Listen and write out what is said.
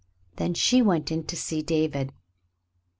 Then she went in to see David.